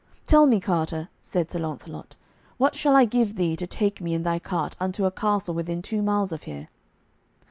"Tell me, carter," said Sir Launcelot, "what shall I give thee to take me in thy cart unto a castle within two miles of here?"